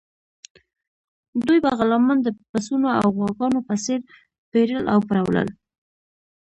دوی به غلامان د پسونو او غواګانو په څیر پیرل او پلورل.